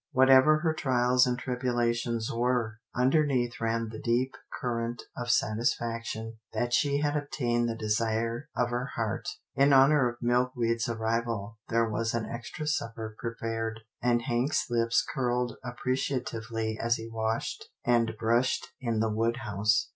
Whatever her trials and tribulations were, underneath ran the deep current of satisfaction that she had obtained the desire of her heart. In honour of Milkweed's arrival there was an extra supper prepared, and Hank's lips curled ap preciatively as he washed and brushed in the wood house.